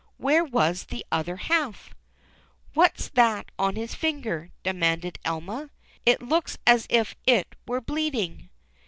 Where was the other half? What's that on his finger?" demanded Elma. ''It looks as if it were bleeding."